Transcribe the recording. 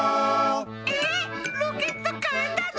ええっロケットかえたの？